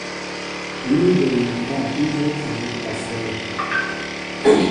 Ni bə mi pân ń hɛ́ti ní kasɛ́lɛ.